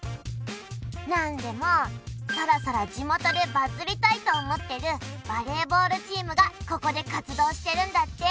何でもそろそろ地元でバズりたいと思ってるバレーボールチームがここで活動してるんだって